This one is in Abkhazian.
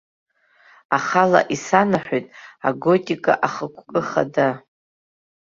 Ахала исанаҳәоит аготика ахықәкы хада.